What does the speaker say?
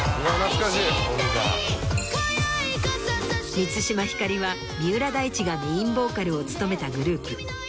今宵こそ満島ひかりは三浦大知がメインボーカルを務めた。